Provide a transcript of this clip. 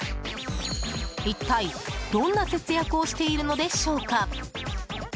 一体、どんな節約をしているのでしょうか。